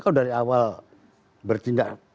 kalau dari awal bertingkat